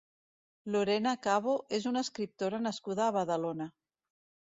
Lorena Cabo és una escriptora nascuda a Badalona.